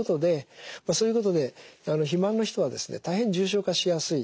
そういうことで肥満の人はですね大変重症化しやすい。